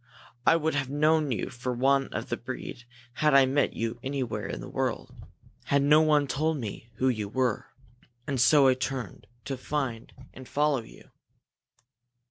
I would have known you for one of the breed had I met you anywhere in the world, had no one told me who you were. And so I turned to find you and follow you."